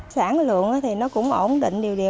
sản lượng thì nó cũng ổn định điều điều